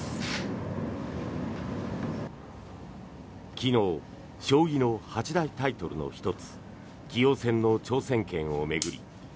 昨日将棋の八大タイトルの１つ棋王戦の挑戦権を巡り